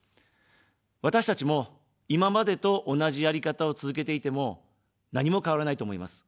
私たちも、今までと同じやり方を続けていても何も変わらないと思います。